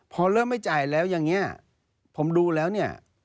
พอเริ่มไม่จ่ายแล้วอย่างนี้ผมดูแล้วเนี่ย